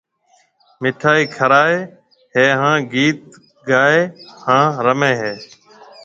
مِٺائِي کرائيَ ھيََََ ھان گيت ڪائيَ ھان رُمَي ھيََََ